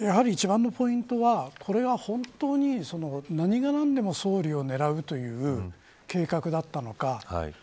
計画性という意味ではやはり一番のポイントはこれは本当に何が何でも総理を狙うという計画だったのか。